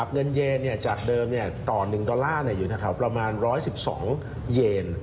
เงินเยนจากเดิมต่อ๑ดอลลาร์อยู่แถวประมาณ๑๑๒เยน